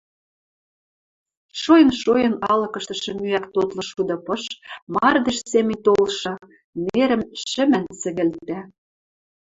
Шоэн-шоэн алыкыштышы мӱӓк-тотлы шуды пыш, мардеж семӹнь толшы, нерӹм шӹмӓн цӹгӹлтӓ.